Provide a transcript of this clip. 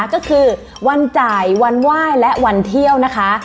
ก็คือวันจ่ายวันไหว้และวันเที่ยวนะคะ